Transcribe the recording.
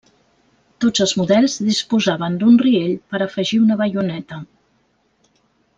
Tots els models disposaven d'un riell per afegir una baioneta.